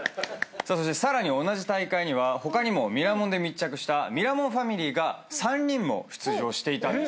そしてさらに同じ大会には他にも『ミラモン』で密着したミラモンファミリーが３人も出場していたんです。